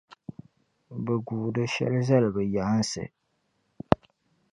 bɛ guui di shɛli zali bɛ yaansi.